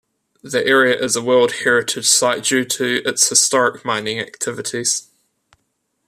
The area is a World Heritage Site due to its historic mining activities.